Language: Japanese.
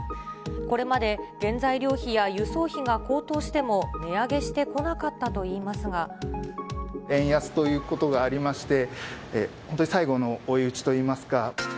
これまで原材料費や輸送費が高騰しても、値上げしてこなかったと円安ということがありまして、本当に最後の追い打ちといいますか。